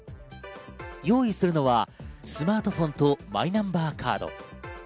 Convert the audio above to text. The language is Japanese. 用意するのはスマートフォンとマイナンバーカード。